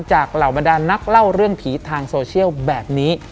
เหล่าบรรดานนักเล่าเรื่องผีทางโซเชียลแบบนี้